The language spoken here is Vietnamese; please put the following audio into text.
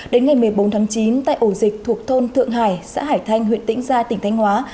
đến ngày một mươi bốn tháng chín tại ổ dịch thuộc thôn thượng hải xã hải thanh huyện tĩnh gia tỉnh thanh hóa